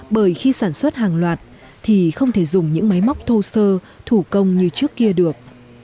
bởi khi sản xuất hàng loạt thì không thể dùng những máy móc thô sơ thủ công như trước kia được